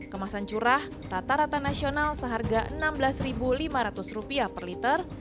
kemasan curah rata rata nasional seharga rp enam belas lima ratus per liter